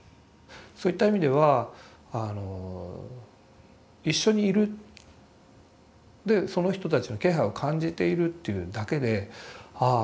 そういった意味ではあの一緒にいるでその人たちの気配を感じているというだけであ